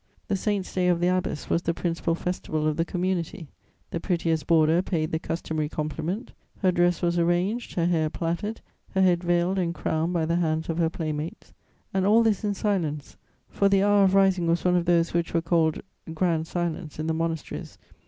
The saint's day of the abbess was the principal festival of the community; the prettiest boarder paid the customary compliment: her dress was arranged, her hair plaited, her head veiled and crowned by the hands of her playmates; and all this in silence, for the hour of rising was one of those which were called "grand silence" in the monasteries.